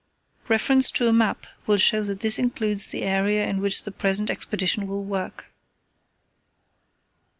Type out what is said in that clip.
Reference to a map will show that this includes the area in which the present Expedition will work.